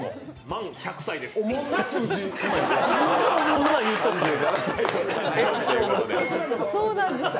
満１００歳です。